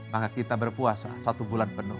maka kita berpuasa satu bulan penuh